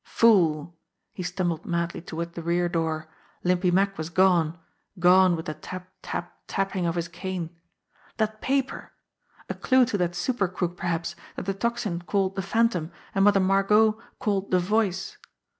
Fool ! He stumbled madly toward the rear door. Limpy Mack was gone gone with the tap, tap, tapping of his cane. That paper ! A clue to that super crook perhaps, that the Tocsin called the Phantom, and Mother Margot called the Voice